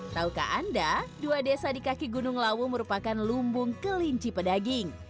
taukah anda dua desa di kaki gunung lawu merupakan lumbung kelinci pedaging